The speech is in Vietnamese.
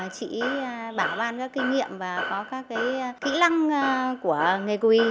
chị bảo ban các kinh nghiệm và có các cái kỹ lăng của nghề quỳ